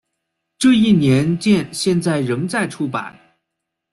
这一年鉴现在仍在出版。